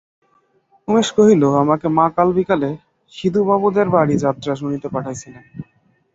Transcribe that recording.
উমেশ কহিল, আমাকে মা কাল বিকালে সিধুবাবুদের বাড়ি যাত্রা শুনিতে পাঠাইয়াছিলেন।